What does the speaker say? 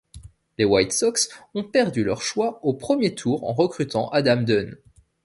Les White Sox ont perdu leur choix au premier tour en recrutant Adam Dunn.